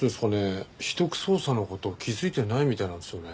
秘匿捜査の事気づいてないみたいなんですよね。